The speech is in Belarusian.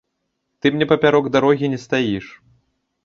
Ты мне папярок дарогі не стаіш.